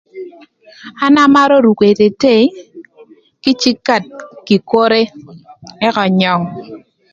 An amarö ruko etetei, kï cikat, kï kore ëka önyöng